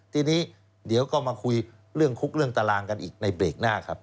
ทีนี้เดี๋ยวก็มาคุยเรื่องคุกเรื่องตารางกันอีกในเบรกหน้าครับ